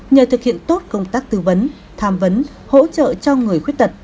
nhờ thực hiện tốt công tác tư vấn tham vấn hỗ trợ cho người khuyết tật